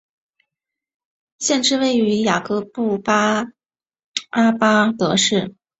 县治位于雅各布阿巴德市。